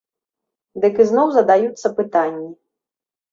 Дык ізноў задаюцца пытанні.